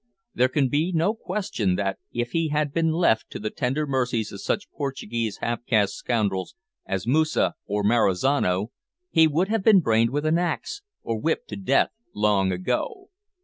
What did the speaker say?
There can be no question that, if he had been left to the tender mercies of such Portuguese half caste scoundrels as Moosa or Marizano, he would have been brained with an axe or whipped to death long ago.